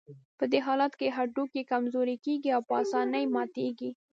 په دې حالت کې هډوکي کمزوري کېږي او په آسانۍ ماتېږي.